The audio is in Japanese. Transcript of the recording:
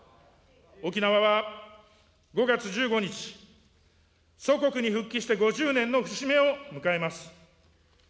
沖縄は５月１５日、祖国に復帰して５０年の節目を迎えます。